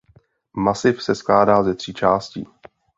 Masiv se skládá ze tří částí.